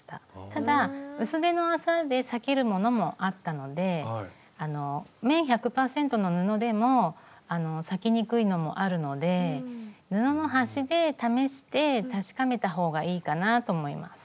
ただ薄手の麻で裂けるものもあったので綿１００％の布でも裂きにくいのもあるので布の端で試して確かめた方がいいかなと思います。